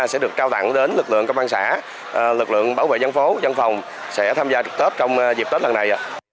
sẽ được trao tặng đến lực lượng công an xã lực lượng bảo vệ dân phố dân phòng sẽ tham gia trực tết trong dịp tết lần này